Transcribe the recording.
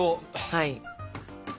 はい！